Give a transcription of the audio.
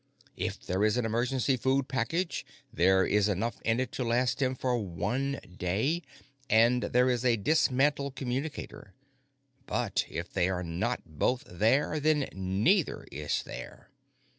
If there is an emergency food package, there is enough in it to last him for one day, and there is a dismantled communicator, but if they are not both there, then neither is there.